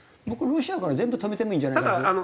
ロシアから全部止めてもいいんじゃないかなと。